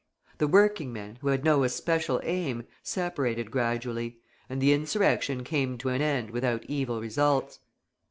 The working men, who had no especial aim, separated gradually, and the insurrection came to an end without evil results.